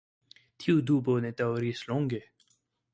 Tiu dubo ne daŭris longe.